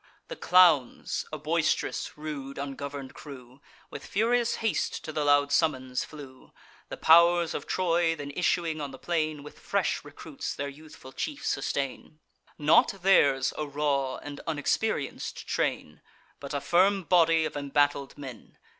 The clowns, a boist'rous, rude, ungovern'd crew, With furious haste to the loud summons flew. The pow'rs of Troy, then issuing on the plain, With fresh recruits their youthful chief sustain: Not theirs a raw and unexperienc'd train, But a firm body of embattled men.